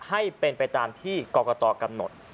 ให้เป็นไปตามที่กรกตกำหนด